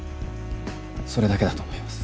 それだけだと思います。